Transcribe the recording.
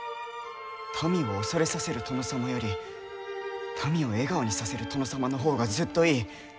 民を恐れさせる殿様より民を笑顔にさせる殿様の方がずっといい。